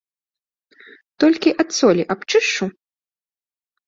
Толькі ад солі абчышчу.